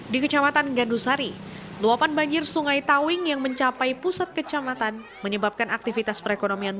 di kecamatan gandusari luapan banjir sungai tawing yang mencapai pusat kecamatan menyebabkan aktivitas perekonomian